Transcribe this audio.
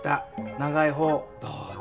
長い方どうぞ！